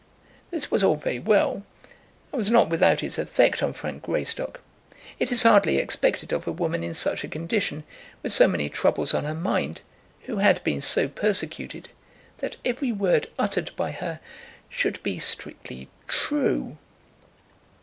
This was all very well, and was not without its effect on Frank Greystock. It is hardly expected of a woman in such a condition, with so many troubles on her mind, who had been so persecuted, that every word uttered by her should be strictly true.